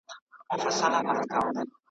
چي هر څومره لوی موجونه پرې راتلله .